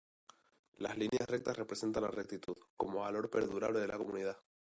Las líneas rectas representan la rectitud, como valor perdurable de la comunidad.